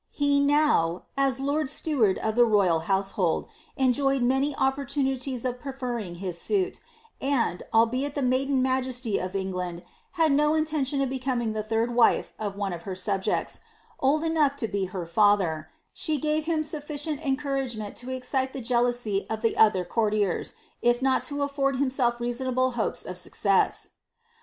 He now, as lord steward of the royal household, enjoyed many oppor uuities of preferring his suit, and, albeit the maiden majesty of England kid no intention of becoming the third wife of one of her subjects, old enough to be her father, she gave him sufficient encouragement to excite ihe jealousy of the other courtiers, if not to afibrd himself reasonable hopes of success.